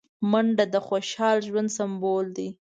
منډه د خوشحال ژوند سمبول دی